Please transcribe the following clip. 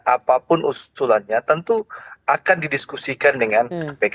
apapun usulannya tentu akan didiskusikan dengan pkb